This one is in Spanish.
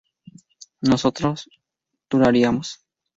nosotras dudaríamos